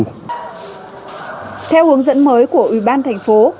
theo hướng dẫn mới của ủy ban thành phố